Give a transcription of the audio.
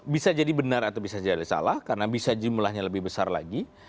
bisa jadi benar atau bisa jadi salah karena bisa jumlahnya lebih besar lagi